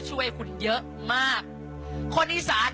ขอบคุณครับ